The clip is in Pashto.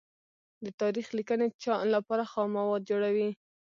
د تاریخ لیکنې لپاره خام مواد جوړوي.